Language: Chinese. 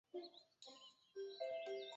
朱德故居位于马鞍镇。